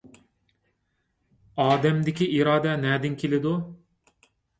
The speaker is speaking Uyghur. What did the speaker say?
ئادەمدىكى ئىرادە نەدىن كېلىدۇ؟